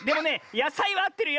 やさいはあってるよ。